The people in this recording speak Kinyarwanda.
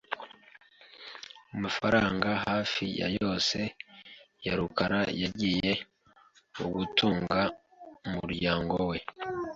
Amafaranga hafi ya yose ya rukara yagiye mu gutunga umuryango we .